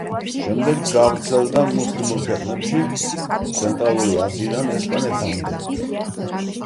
შემდეგ გავრცელდა მუსლიმურ ქვეყნებში ცენტრალური აზიიდან ესპანეთამდე.